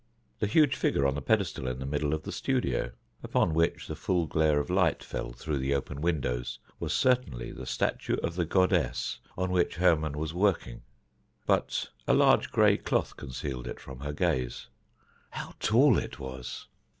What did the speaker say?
The huge figure on the pedestal in the middle of the studio, upon which the full glare of light fell through the open windows, was certainly the statue of the goddess on which Hermon was working; but a large gray cloth concealed it from her gaze. How tall it was!